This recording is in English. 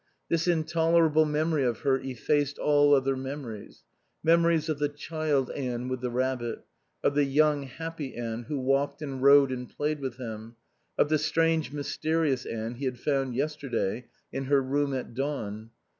This intolerable memory of her effaced all other memories, memories of the child Anne with the rabbit, of the young, happy Anne who walked and rode and played with him, of the strange, mysterious Anne he had found yesterday in her room at dawn.